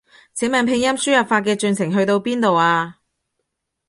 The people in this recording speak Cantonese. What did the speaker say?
請問拼音輸入法嘅進程去到邊度啊？